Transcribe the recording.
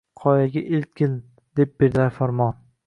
Qoyaga eltgin deb berdilar farmon.